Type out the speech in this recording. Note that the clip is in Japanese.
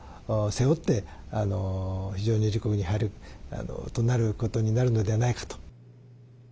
背負って非常任理事国に入ることになるのではないかと。